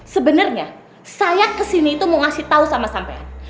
sebenarnya saya kesini itu mau ngasih tahu sama sampean